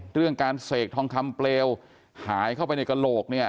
เรื่องการเสกทองคำเปลวหายเข้าไปในกระโหลกเนี่ย